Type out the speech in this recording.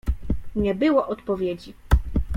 "Nie było odpowiedzi."